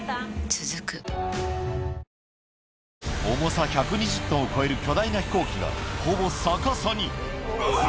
続く重さ１２０ｔを超える巨大な飛行機がほぼ逆さにうわ！